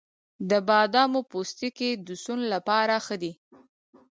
د بادامو پوستکی د سون لپاره ښه دی؟